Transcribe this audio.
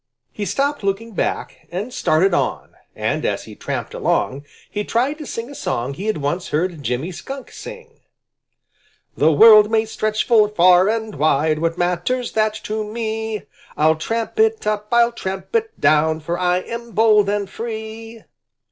He stopped looking back and started on, and as he tramped along, he tried to sing a song he had once heard Jimmy Skunk sing: "The world may stretch full far and wide What matters that to me? I'll tramp it up; I'll tramp it down! For I am bold and free."